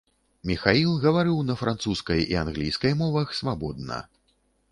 Міхаіл гаварыў на французскай і англійскай мовах свабодна.